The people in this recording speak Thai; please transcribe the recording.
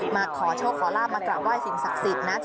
มาขอโชคขอลาบมากราบไห้สิ่งศักดิ์สิทธิ์นะ